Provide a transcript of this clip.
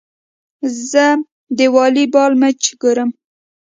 زه د والي بال مېچ ګورم.